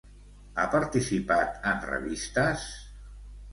Ha participat en revistes?